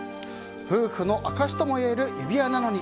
夫婦の証しともいえる指輪なのに。